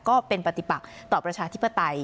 ก็เป็นปฏิบัติต่อประชาธิปไตย